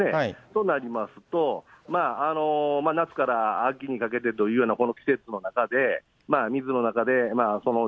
となりますと、夏から秋にかけてというようなこの季節の中で、水の中で、その１１、